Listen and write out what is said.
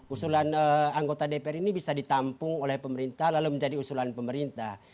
usulan anggota dpr ini bisa ditampung oleh pemerintah lalu menjadi usulan pemerintah